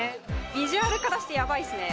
ビジュアルからしてヤバいっすね